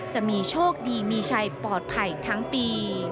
จะมีโชคดีมีชัยปลอดภัยทั้งปี